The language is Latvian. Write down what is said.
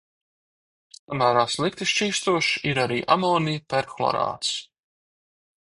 Samērā slikti šķīstošs ir arī amonija perhlorāts.